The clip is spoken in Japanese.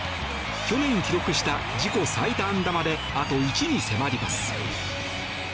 去年記録した自己最多安打まであと１に迫ります。